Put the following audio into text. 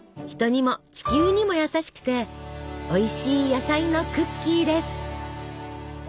人にも地球にも優しくておいしい野菜のクッキーです！